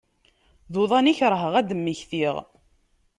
D uḍan i kerheɣ ad d-mmektiɣ.